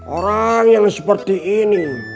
orang yang seperti ini